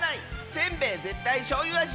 せんべいぜったいしょうゆあじ！